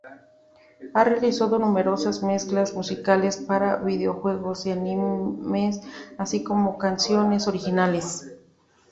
Ha realizado numerosas mezclas musicales para videojuegos y animes así como canciones originales.